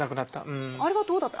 あれはどうだった？